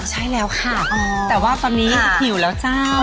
ใช่แล้วค่ะแต่ว่าตอนนี้หิวแล้วเจ้า